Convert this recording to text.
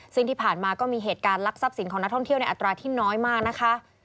ซึ่งที่ผ่านมาก็มีเหตุการณ์ลักทรัพย์สินของนักท่องเที่ยวในอัตราที่น้อยมากนะคะ